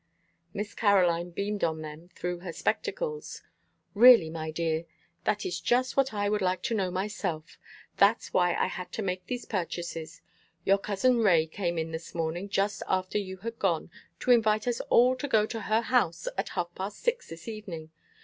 Miss Caroline beamed on them through her spectacles. "Really, my dears, that is just what I would like to know myself. That's why I had to make these purchases. Your cousin Ray came in this morning, just after you had gone, to invite us all to go to her house at half past six this evening.